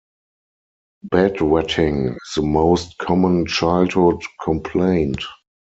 Bedwetting is the most common childhood complaint.